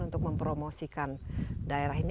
untuk mempromosikan daerah ini